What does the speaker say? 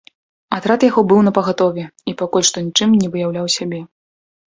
Атрад яго быў напагатове і пакуль што нічым не выяўляў сябе.